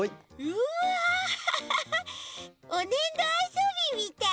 うわハハハハおねんどあそびみたい。